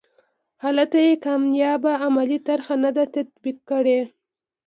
هلته یې کامیابه عملي طرحه نه ده تطبیق کړې.